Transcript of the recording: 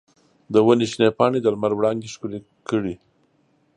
د ونې شنې پاڼې د لمر وړانګې ښکلې کړې.